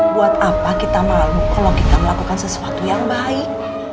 buat apa kita mau kalau kita melakukan sesuatu yang baik